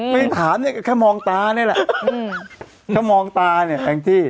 ไปถามเนี่ยก็แค่มองตานี่แหละแค่มองตาเนี่ยแองจี้